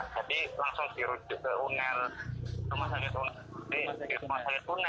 jadi langsung dirujuk ke uner